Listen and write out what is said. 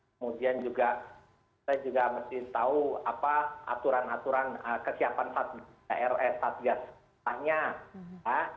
kemudian juga saya juga mesti tahu apa aturan aturan kesiapan satgas